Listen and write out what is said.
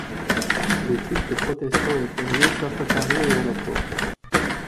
Le culte protestant est permis sauf à Paris et à la Cour.